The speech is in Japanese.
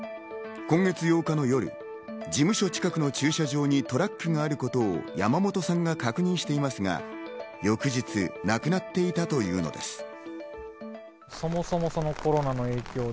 今月８日の夜、事務所近くの駐車場にトラックがあることを山本さんが確認していますが、翌日、なくなっていたというのです。